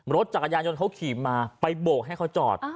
รถจักรยานยนต์เขาขี่มาไปโบกให้เขาจอด